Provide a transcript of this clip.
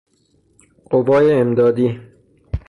قوای امدادی